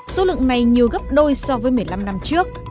số lượng này nhiều gấp đôi so với một mươi năm năm trước